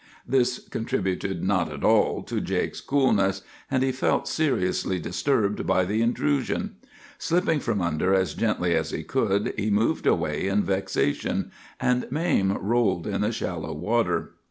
"This contributed not at all to Jake's coolness, and he felt seriously disturbed by the intrusion. Slipping from under as gently as he could, he moved away in vexation, and Mame rolled in the shallow water.